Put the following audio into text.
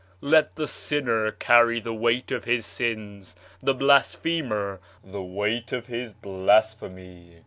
Let the sinner carry the weight of his sins, the blasphemer the weight of his blasphemy.